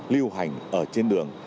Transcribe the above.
lưu hành ở trên đường